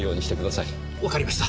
わかりました！